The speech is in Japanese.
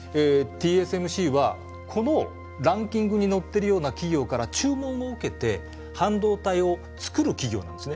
ＴＳＭＣはこのランキングに載ってるような企業から注文を受けて半導体をつくる企業なんですね。